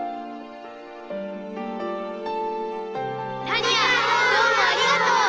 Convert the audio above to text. タニアどうもありがとう！